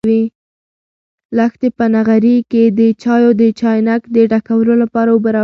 لښتې په نغري کې د چایو د چاینک د ډکولو لپاره اوبه راوړې.